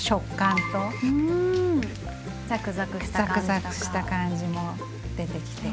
ザクザクした感じも出てきて。